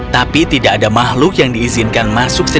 tapi tidak ada makhluk yang diizinkan masuk sekolah